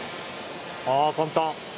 ああ、簡単。